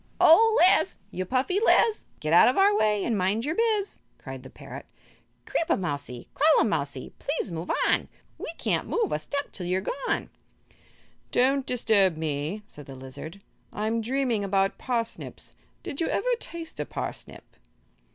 "O, Liz you puffy Liz Get out of our way and mind your biz," cried the parrot. "Creep a mousie, crawl a mousie, please move on! We can't move a step till you are gone." "Don't disturb me," said the lizard; "I'm dreaming about parsnips. Did you ever taste a parsnip?"